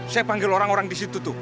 saya panggil orang orang di situ tuh